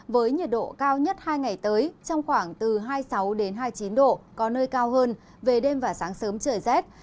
với nhiệt độ cao nhất hai ngày tới trong khoảng từ hai mươi sáu hai mươi chín độ có nơi cao hơn về đêm và sáng sớm trời rét